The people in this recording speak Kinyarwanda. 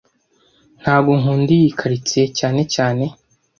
Ntago nkunda iyi quartiers cyane cyane